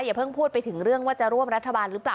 เพิ่งพูดไปถึงเรื่องว่าจะร่วมรัฐบาลหรือเปล่า